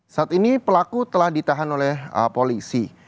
saat ini pelaku telah ditahan oleh polisi